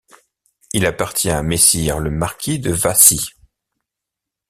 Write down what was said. Il appartient à messire le marquis de Vassy.